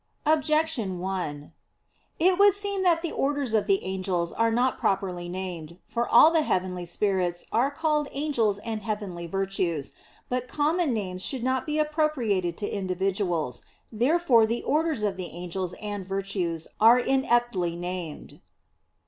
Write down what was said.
Objection 1: It would seem that the orders of the angels are not properly named. For all the heavenly spirits are called angels and heavenly virtues. But common names should not be appropriated to individuals. Therefore the orders of the angels and virtues are ineptly named.